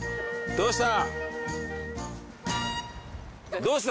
どうした？